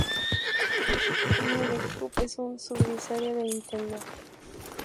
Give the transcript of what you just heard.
Nd Cube es una subsidiaria de Nintendo.